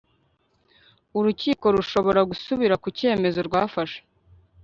urukiko rushobora gusubira ku cyemezo rwafashe